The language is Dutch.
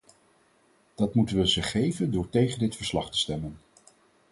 Dat moeten we ze geven door tegen dit verslag te stemmen.